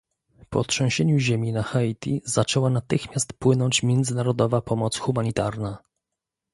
Po trzęsieniu ziemi na Haiti zaczęła natychmiast płynąć międzynarodowa pomoc humanitarna